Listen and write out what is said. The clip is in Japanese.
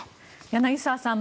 柳澤さん